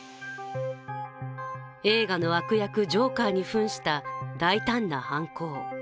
映画の悪役ジョーカーにふんした大胆な犯行。